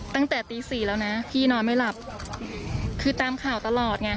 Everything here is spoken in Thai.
ตั้งแต่ตีสี่แล้วนะพี่นอนไม่หลับคือตามข่าวตลอดไง